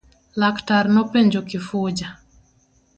Laktar nopenjo Kifuja.